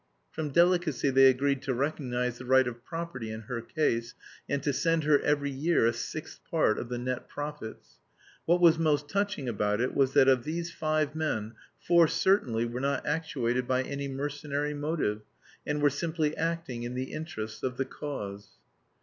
From delicacy they agreed to recognise the right of property in her case, and to send her every year a sixth part of the net profits. What was most touching about it was that of these five men, four certainly were not actuated by any mercenary motive, and were simply acting in the interests of the "cause."